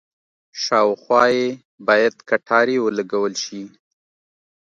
شاوخوا یې باید کټارې ولګول شي.